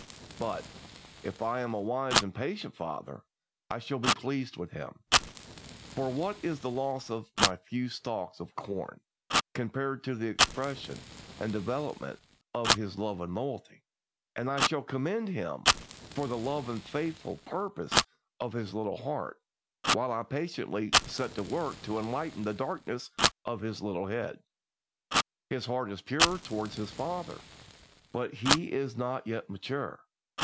But if I am a wise and patient father, I shall be pleased with him; for what is the loss of my few stalks of corn compared to the expression and development of his love and loyalty? And I shall commend him for the love and faithful purpose of his little heart, while I patiently set to work to enlighten the darkness of his little head. His heart is pure toward his father, but he is not yet mature.